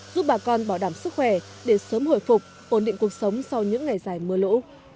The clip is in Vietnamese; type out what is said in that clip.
giúp bà con bảo đảm sức khỏe để sớm hồi phục ổn định cuộc sống sau những ngày dài mưa lũ